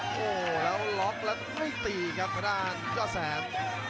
โอ้โหแล้วล็อกแล้วไม่ตีครับทางด้านยอดแสน